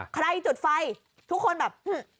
ใครจุดไฟทุกคนแบบ